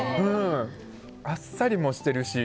あっさりもしてるし。